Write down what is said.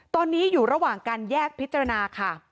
ตอนนี้อยู่ระหว่างการแยกพิจารณาค่ะ